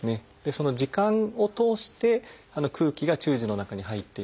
その耳管を通して空気が中耳の中に入っている。